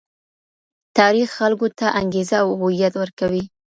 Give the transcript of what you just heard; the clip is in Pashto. تاريخ خلګو ته انګېزه او هويت ورکوي.